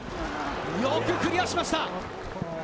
よくクリアしました。